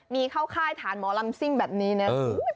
มีเข้าค่ายฐานหมอลำซิ่งแบบนี้นะ